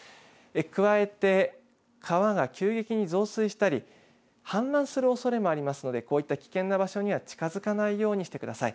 加えて川が急激に増水したり氾濫するおそれもありますのでこういった危険な場所には近づかないようにしてください。